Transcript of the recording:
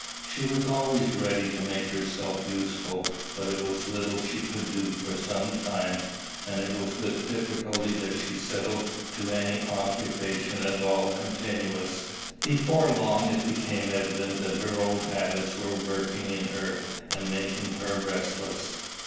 She was always ready to make herself useful; but it was little she could do for some time, and it was with difficulty that she settled to any occupation at all continuous. Before long it became evident that her old habits were working in her and making her restless.